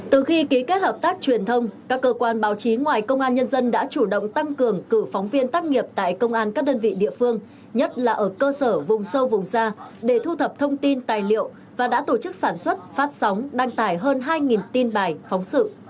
từ khi ký kết hợp tác truyền thông các cơ quan báo chí ngoài công an nhân dân đã chủ động tăng cường cử phóng viên tác nghiệp tại công an các đơn vị địa phương nhất là ở cơ sở vùng sâu vùng xa để thu thập thông tin tài liệu và đã tổ chức sản xuất phát sóng đăng tải hơn hai tin bài phóng sự